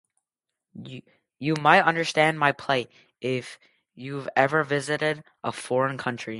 You might understand my plight if you've ever visited a foreign country.